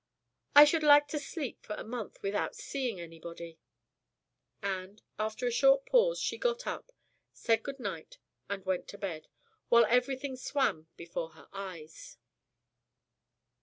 "I should like to sleep for a month, without seeing anybody." And, after a short pause, she got up, said goodnight and went to bed, while everything swam before her eyes.